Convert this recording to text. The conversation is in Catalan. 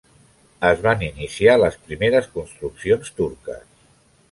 Es van iniciar les primeres construccions turques.